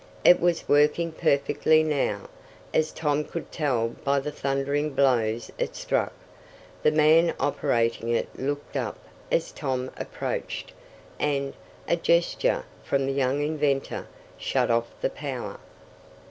It was working perfectly now, as Tom could tell by the thundering blows it struck. The man operating it looked up as Tom approached, and, at a gesture from the young inventor, shut off the power.